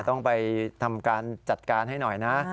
ต้องไปทำการจัดการให้หน่อยนะ